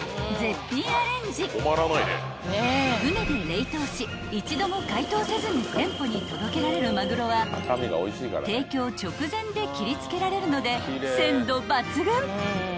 ［船で冷凍し一度も解凍せずに店舗に届けられるまぐろは提供直前で切り付けられるので鮮度抜群］